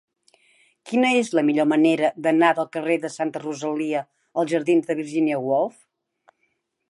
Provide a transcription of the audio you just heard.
Quina és la millor manera d'anar del carrer de Santa Rosalia als jardins de Virginia Woolf?